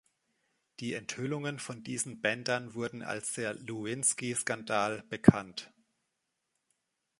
Die Enthüllungen von diesen Bändern wurden als der Lewinsky-Skandal bekannt.